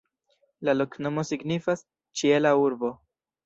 La loknomo signifas: "ĉiela urbo".